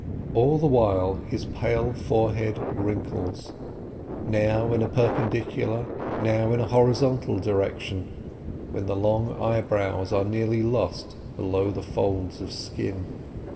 All the while his pale forehead wrinkles, now in a perpendicular, now in a horizontal, direction, when the long eyebrows are nearly lost below the folds of skin.